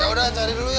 ya udah cari dulu ya